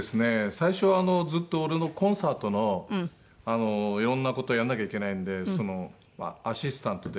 最初はずっと俺のコンサートのいろんな事やらなきゃいけないんでそのまあアシスタントで。